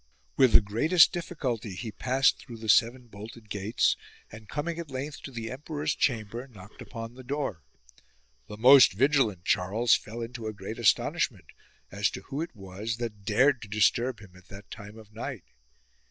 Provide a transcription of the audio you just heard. With the greatest difficulty he passed through the seven bolted gates, and coming at length to the emperor's chamber knocked upon the door. The most vigilant Charles fell into a great astonishment, as to who it was that dared to disturb him at that time of night.